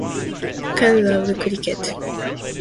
Karu loved cricket.